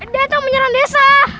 datang menyerang desa